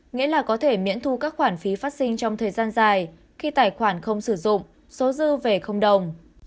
nghĩa là có thể miễn thu các khoản phí phát sinh trong thời gian dài khi tài khoản không sử dụng số dư về đồng